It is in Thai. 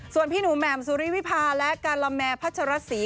ส่วนพี่หนูแหม่มสุริวิพาและการาแมพัชรสี